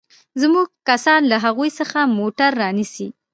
زموږ کسان له هغوى څخه موټر رانيسي.